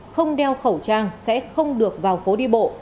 không đeo khẩu trang sẽ không được vào phố đi bộ